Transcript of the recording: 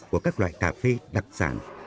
của các loại cà phê đặc sản